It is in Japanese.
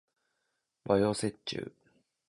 和洋折衷